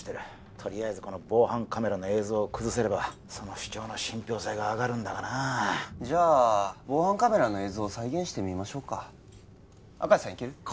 とりあえずこの防犯カメラの映像を崩せればその主張の信ぴょう性が上がるんだがなーじゃあ防犯カメラの映像を再現してみましょうか明石さん行ける？